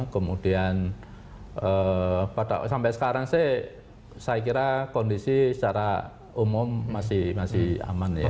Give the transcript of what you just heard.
kemudian sampai sekarang sih saya kira kondisi secara umum masih aman ya